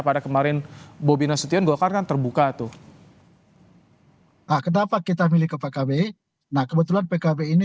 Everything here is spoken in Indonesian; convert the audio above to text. pada kemarin bobina setiaan golkar terbuka tuh hai nah kenapa kita miliki pkb nah kebetulan pkb ini